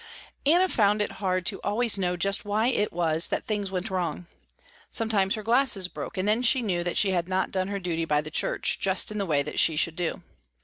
Anna found it hard to always know just why it was that things went wrong. Sometimes her glasses broke and then she knew that she had not done her duty by the church, just in the way that she should do.